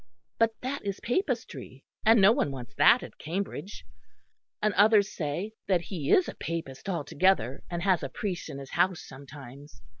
But that is Papistry, and no one wants that at Cambridge. And others say that he is a Papist altogether, and has a priest in his house sometimes.